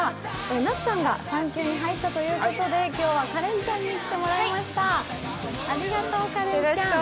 なっちゃんが産休に入ったということで、今日は花恋ちゃんに来てもらいました、ありがとう、花恋ちゃん。